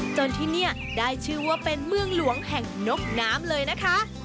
จนที่นี่ได้ชื่อว่าเป็นเมืองหลวงแห่งนกน้ำเลยนะคะ